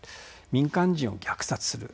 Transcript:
民間人を虐殺する。